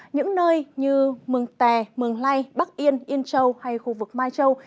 những nơi như mường tè mường lây bắc yên yên châu hay khu vực mai châu